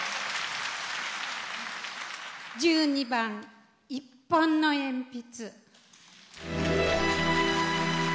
１２番「一本の鉛筆」。